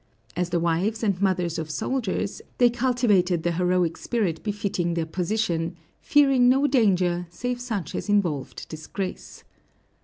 As the wives and mothers of soldiers, they cultivated the heroic spirit befitting their position, fearing no danger save such as involved disgrace.